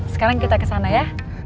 sekarang kita ke sana ya